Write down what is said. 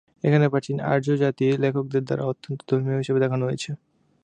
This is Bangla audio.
এখানে, প্রাচীন "আর্য জাতি" লেখকদের দ্বারা অত্যন্ত ধর্মীয় হিসাবে দেখানো হয়েছে।